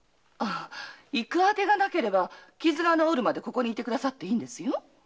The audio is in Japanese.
あてがなければ傷が治るまでここに居てくれていいんですよ。